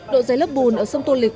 độ dây lớp bùn ở sông tô lịch